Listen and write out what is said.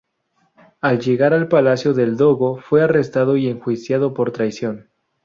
Al llegar al palacio del dogo fue arrestado y enjuiciado por traición.